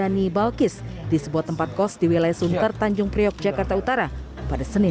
untuk alat pelaku tidak menggunakan alat apa apa